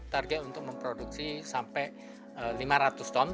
target untuk memproduksi sampai lima ratus ton